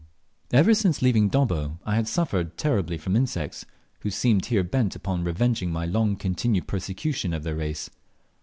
Ever since leaving Dobbo I had suffered terribly from insects, who seemed here bent upon revenging my long continued persecution of their race.